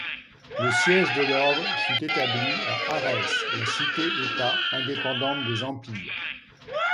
Le siège de l’Ordre fut établi à Ares, la cité-État indépendante des Empires.